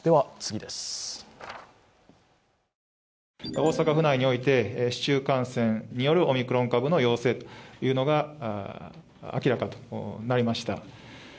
大阪府内において市中感染によるオミクロン株の陽性というのが明らかになりました。